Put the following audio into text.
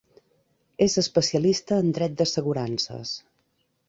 És especialista en dret d'assegurances.